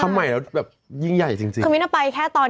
ทำใหม่แล้วยิ่งใหญ่จริง